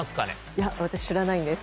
いや私知らないんです。